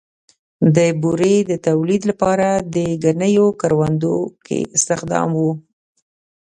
د بورې د تولید لپاره د ګنیو کروندو کې استخدام و.